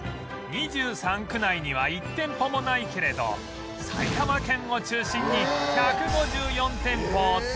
２３区内には１店舗もないけれど埼玉県を中心に